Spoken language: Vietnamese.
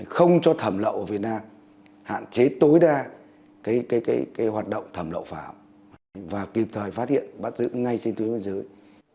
không cho thẩm lậu ở việt nam hạn chế tối đa hoạt động thẩm lậu phạm và kịp thời phát hiện bắt giữ ngay trên tuyến biên giới